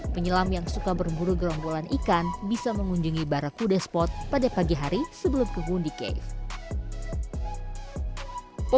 penyelam yang suka bermuru gerombolan ikan bisa mengunjungi barak kudespot pada pagi hari sebelum ke wundi cave